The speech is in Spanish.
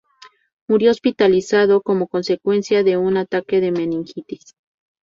Murió hospitalizado como consecuencia de un ataque de meningitis.